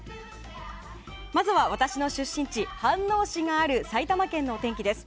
まずは、私の出身地飯能市がある埼玉県のお天気です。